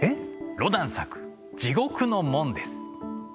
ロダン作「地獄の門」です。